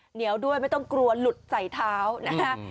เหนียวด้วยไม่ต้องกลัวหลุดใส่เท้านะฮะ